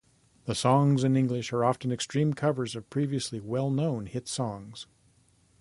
The songs in English are often extreme covers of previously well-known hit songs.